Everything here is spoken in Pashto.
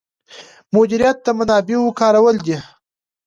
مدیریت د منابعو کارول دي